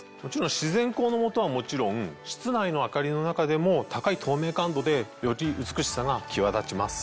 自然光の下はもちろん室内の明かりの中でも高い透明感度でより美しさが際立ちます。